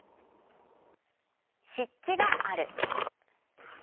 湿地がある。